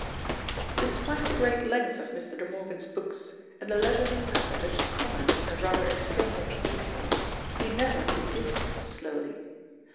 Despite the great length of Mr. De Morgan's books, and the leisurely passages of comment and rather extraneous detail, he never begins slowly.